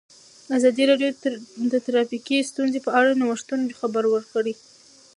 ازادي راډیو د ټرافیکي ستونزې په اړه د نوښتونو خبر ورکړی.